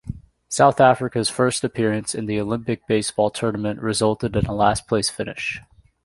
South Africa's first appearance in the Olympic baseball tournament resulted in a last-place finish.